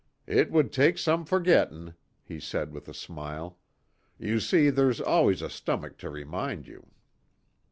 "It would take some forgetting," he said, with a smile. "You see there's always a stomach to remind you."